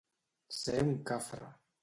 Ser un cafre.